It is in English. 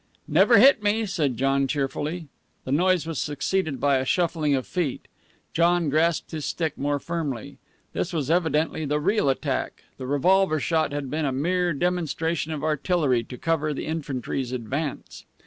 "Never hit me," said John cheerfully. The noise was succeeded by a shuffling of feet. John grasped his stick more firmly. This was evidently the real attack. The revolver shot had been a mere demonstration of artillery to cover the infantry's advance.